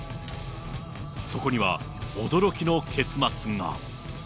そこには驚きの結末が。